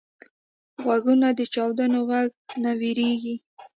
غوږونه د چاودنو غږ نه وېریږي